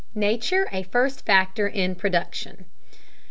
NATURE A FIRST FACTOR IN PRODUCTION.